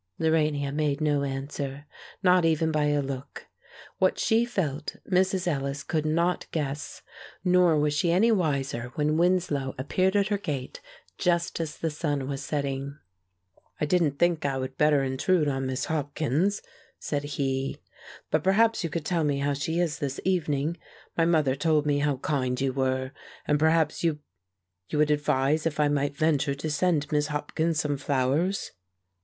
Lorania made no answer, not even by a look. What she felt, Mrs. Ellis could not guess. Nor was she any wiser when Winslow appeared at her gate, just as the sun was setting. "I didn't think I would better intrude on Miss Hopkins," said he, "but perhaps you could tell me how she is this evening. My mother told me how kind you were, and perhaps you you would advise if I might venture to send Miss Hopkins some flowers."